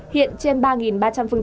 hiện trên ba ba trăm linh phương